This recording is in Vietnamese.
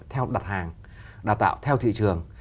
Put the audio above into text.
theo đặt hàng đào tạo theo thị trường